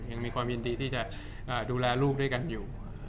ยังมีความยินดีที่จะดูแลลูกด้วยกันอยู่